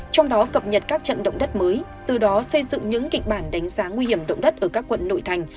trong đó cập nhật các trận động đất mới từ đó xây dựng những kịch bản đánh giá nguy hiểm động đất ở các quận nội thành